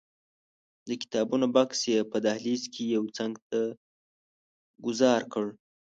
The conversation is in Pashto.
د کتابونو بکس یې په دهلیز کې یوه څنګ ته ګوزار کړ.